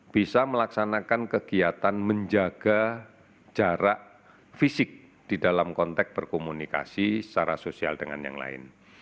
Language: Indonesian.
bisa melaksanakan kegiatan menjaga jarak fisik di dalam konteks berkomunikasi secara sosial dengan yang lain